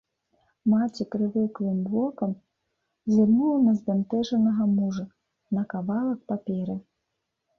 Маці прывыклым вокам зірнула на збянтэжанага мужа, на кавалак паперы.